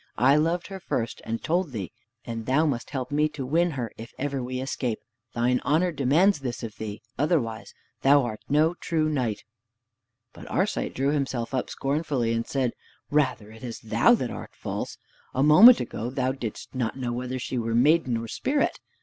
I loved her first, and told thee, and thou must help me to win her if ever we escape. Thine honor demands this of thee. Otherwise thou art no true knight." But Arcite drew himself up scornfully and said, "Rather it is thou that art false! A moment ago thou didst not know whether she were maiden or Spirit!